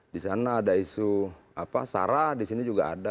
disana ada isu syarah disini juga ada